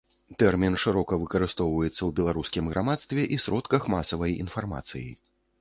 Тэрмін шырока выкарыстоўваецца ў беларускім грамадстве і сродках масавай інфармацыі.